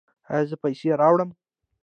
ایا زه پیسې راوړم؟